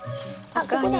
あっここだ！